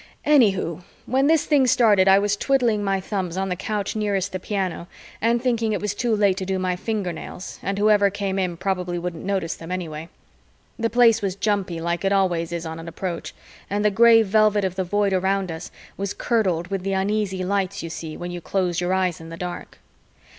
Anyhoo, when this thing started, I was twiddling my thumbs on the couch nearest the piano and thinking it was too late to do my fingernails and whoever came in probably wouldn't notice them anyway. The Place was jumpy like it always is on an approach and the gray velvet of the Void around us was curdled with the uneasy lights you see when you close your eyes in the dark.